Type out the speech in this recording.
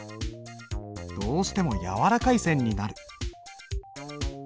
どうしても柔らかい線になる。